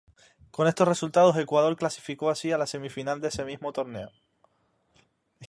Con estos resultados Ecuador clasificó así a la semifinal de ese mismo torneo.